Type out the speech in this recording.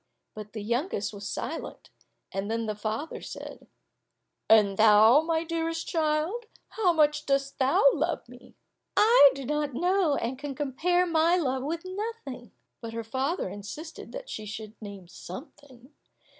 But the youngest was silent. Then the father said, "And thou, my dearest child, how much dost thou love me?" "I do not know, and can compare my love with nothing." But her father insisted that she should name something.